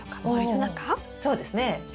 おそうですね。